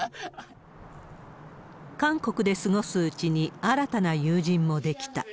韓国で過ごすうちに、新たな友人も出来た。